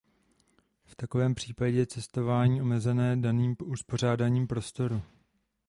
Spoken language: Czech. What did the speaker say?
V takovém případě je cestování omezené daným uspořádáním prostoru.